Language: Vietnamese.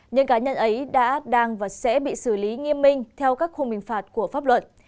những cá nhân ấy đã đang và sẽ bị xử lý nghiêm minh theo các khung hình phạt của pháp luật